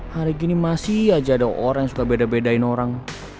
hari gini masih aja ada orang yang suka beda bedain orang